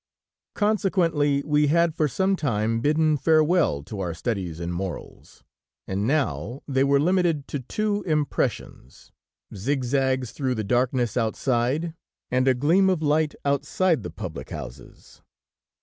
Consequently, we had for some time bidden farewell to our studies in morals, and now they were limited to two impressions: zig zags through the darkness outside, and a gleam of light outside the public houses.